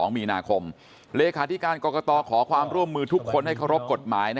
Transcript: ๒มีนาคมเลขาธิการกรกตขอความร่วมมือทุกคนให้เคารพกฎหมาย